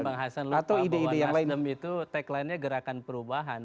bang hasan lupa bahwa nasdem itu tagline nya gerakan perubahan